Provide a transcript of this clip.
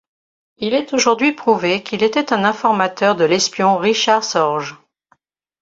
Il est aujourd'hui prouvé qu'il était un informateur de l'espion Richard Sorge.